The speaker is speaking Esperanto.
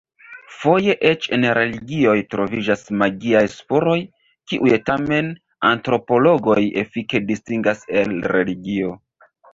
Foje eĉ en religioj troviĝas magiaj spuroj, kiuj tamen antropologoj efike distingas el religio.